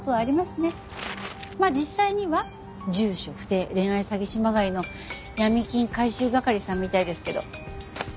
まあ実際には住所不定恋愛詐欺師まがいの闇金回収係さんみたいですけど。